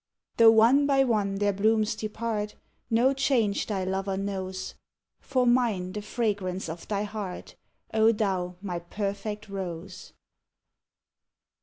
Tho' one by one their blooms depart, No change thy lover knows, For mine the fragrance of thy heart, O thou my perfect rose!